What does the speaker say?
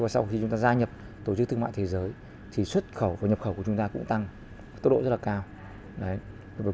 sau khi chúng ta gia nhập tổ chức thương mại thế giới thì xuất khẩu và nhập khẩu của chúng ta cũng tăng tốc độ rất là cao